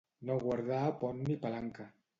No guardar pont ni palanca.